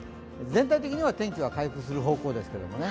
全体的には天気は回復する方向ですが。